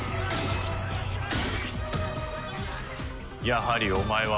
やはりお前は。